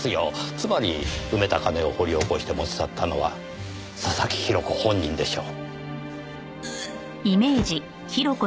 つまり埋めた金を掘り起こして持ち去ったのは佐々木広子本人でしょう。